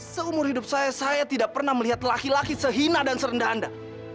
seumur hidup saya saya tidak pernah melihat laki laki sehina dan serendah anda